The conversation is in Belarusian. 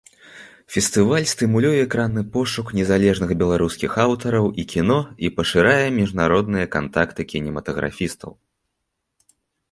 Фестываль стымулюе экранны пошук незалежных беларускіх аўтараў і кіно і пашырае міжнародныя кантакты кінематаграфістаў.